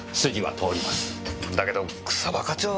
だけど草葉課長は。